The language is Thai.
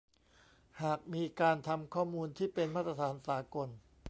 หากมีการทำข้อมูลที่เป็นมาตรฐานสากล